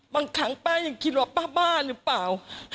บางครั้งป้ายังคิดว่าป้าบ้าหรือเปล่า